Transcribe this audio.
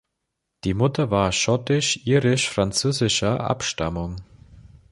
Die Mutter war schottisch-irisch-französischer Abstammung.